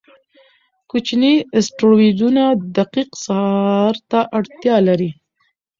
کوچني اسټروېډونه دقیق څار ته اړتیا لري.